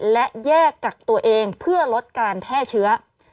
และแยกกักตัวเองเพื่อลดการแพร่เชื้อ